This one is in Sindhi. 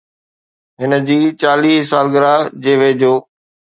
هن جي چاليهه سالگرهه جي ويجهو